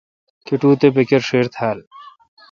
کٹو تے بکر چیر تھال ۔